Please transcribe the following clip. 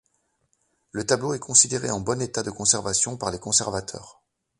Le tableau est considéré en bon état de conservation par les conservateurs.